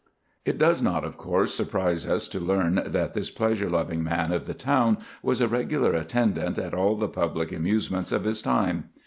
It does not, of course, surprise us to learn that this pleasure loving man of the town was a regular attendant at all the public amusements of his time.